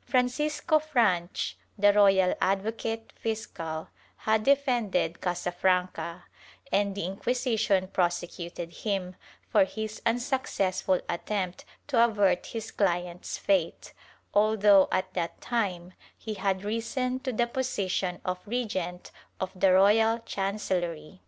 Francisco Franch, the royal advocate fiscal, had defended Casafranca, and the Inqui sition prosecuted him for his unsuccessful attempt to avert his client's fate, although at that time he had risen to the position of Regent of the royal Chancellery.